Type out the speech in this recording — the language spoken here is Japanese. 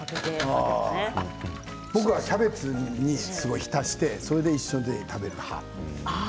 僕はキャベツに浸してそれで一緒に食べるかな。